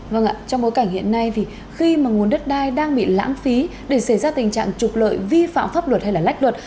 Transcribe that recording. vâng ạ trong bối cảnh hiện nay thì khi mà nguồn đất đai đang bị lãng phí để xảy ra tình trạng trục lợi vi phạm pháp luật hay lách luật